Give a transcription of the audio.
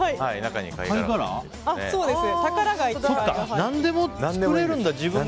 何でも作れるんだ！